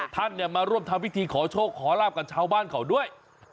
ท่านมาร่วมทำพิธีขอโชคขอลาบกับชาวบ้านเขาด้วย